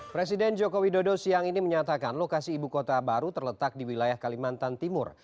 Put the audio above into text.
presiden joko widodo siang ini menyatakan lokasi ibu kota baru terletak di wilayah kalimantan timur